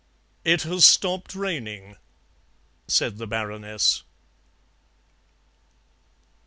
"It has stopped raining," said the Baroness.